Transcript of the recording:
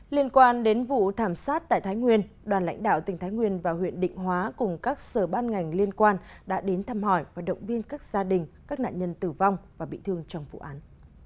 liên quan đến vụ thảm sát tại thái nguyên đoàn lãnh đạo tỉnh thái nguyên và huyện định hóa cùng các sở ban ngành liên quan đã đến thăm hỏi và động viên các gia đình các nạn nhân tử vong và bị thương trong vụ án